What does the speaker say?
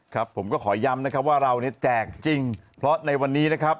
ครับผมก็ขอย้ำนะครับว่าเราเนี่ยแจกจริงเพราะในวันนี้นะครับ